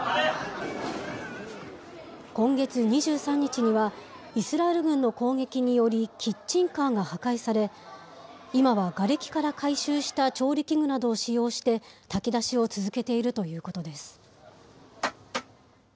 今月２３日には、イスラエル軍の攻撃により、キッチンカーが破壊され、今はがれきから回収した調理器具などを使用して、炊き出しを続けているということです。